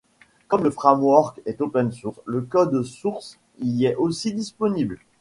Comme le framework est open source, le code source y est aussi disponible.